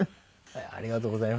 ありがとうございます。